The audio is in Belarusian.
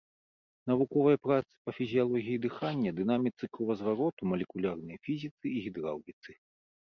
Навуковыя працы па фізіялогіі дыхання, дынаміцы кровазвароту, малекулярнай фізіцы і гідраўліцы.